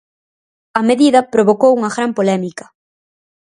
A medida provocou unha gran polémica.